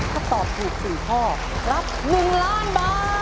ถ้าตอบถูก๔ข้อรับ๑๐๐๐๐๐๐บาท